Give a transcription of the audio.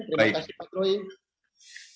terima kasih pak chloe